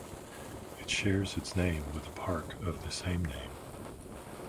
It shares its name with a park of the same name.